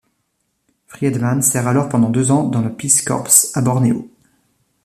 Friedman sert alors pendant deux ans dans le Peace Corps à Bornéo.